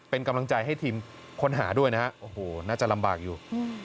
เป็นกำลังใจให้ทีมค้นหาด้วยนะฮะโอ้โหน่าจะลำบากอยู่